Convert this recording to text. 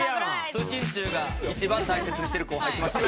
四星球が一番大切にしてる後輩来ました。